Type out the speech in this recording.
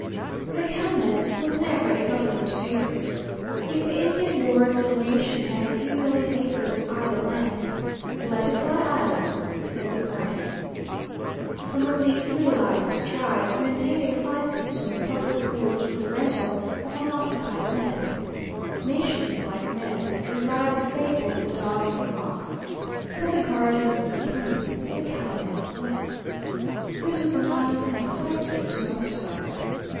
The cowman was never a government favorite. If the Indian wards of the nation had a few million acres of idle land, "Let it lie idle," said the guardian. Some of these civilized tribes maintained a fine system of public schools from the rental of unoccupied lands. Nations, like men, revive the fable of the dog and the ox. But the guardian was supreme the cowman went. This was not unexpected to most of us.